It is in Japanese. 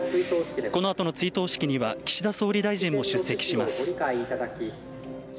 この後の追悼式には岸田総理大臣も出席します。